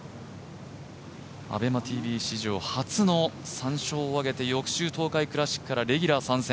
ＡｂｅｍａＴＶ史上初の３勝を挙げて翌週、東海クラシックからレギュラー参戦。